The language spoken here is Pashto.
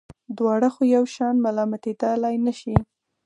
دواړه خو یو شان ملامتېدلای نه شي.